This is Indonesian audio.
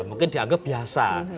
mungkin dianggap biasa